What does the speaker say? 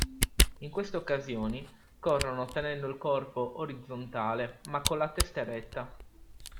In queste occasioni, corrono tenendo il corpo orizzontale, ma con la testa eretta.